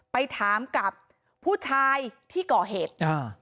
ไปถามกับผู้ชายที่ก่อเหตุอ่า